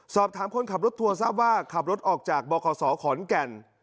คนขับรถทัวร์ทราบว่าขับรถออกจากบขศขอนแก่น